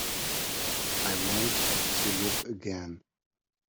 I want to live again.